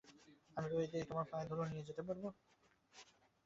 আমি রয়ে বসে তোমার পায়ের ধুলো নিয়ে যেতে পারব।